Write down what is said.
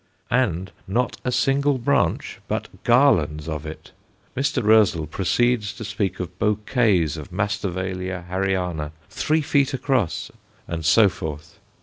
And not a single branch, but garlands of it! Mr. Roezl proceeds to speak of bouquets of Masdevallia Harryana three feet across, and so forth.